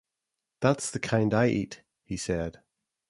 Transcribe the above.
"That's the kind I eat", he said.